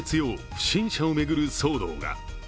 不審者を巡る騒動が。